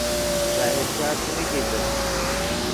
ظاہر شاہ څیمین کیتے